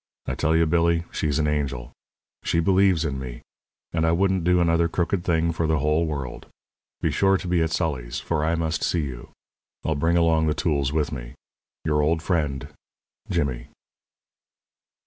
I tell you, Billy, she's an angel. She believes in me; and I wouldn't do another crooked thing for the whole world. Be sure to be at Sully's, for I must see you. I'll bring along the tools with me. Your old friend, JIMMY.